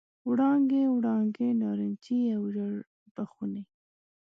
وړانګې، وړانګې نارنجي او ژړ بخونې،